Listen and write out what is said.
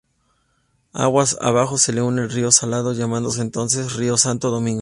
Aguas abajo se le une el río Salado, llamándose entonces río Santo Domingo.